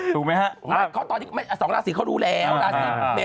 ถูกไหมฮะ